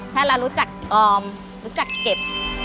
ถ้าเรารู้จักออมรู้จักเก็บ